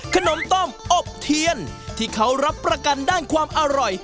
ขนมต้มอบเทียนที่เขารับประกันด้านความอร่อย